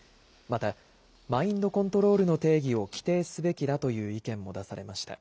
また、マインドコントロールの定義を規定すべきだという意見も出されました。